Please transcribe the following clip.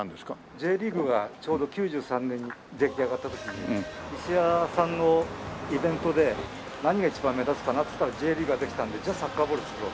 Ｊリーグがちょうど９３年にできた時に石屋さんのイベントで何が一番目立つかなっつったらＪリーグができたのでじゃあサッカーボール作ろう。